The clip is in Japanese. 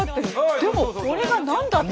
でもこれが何だって。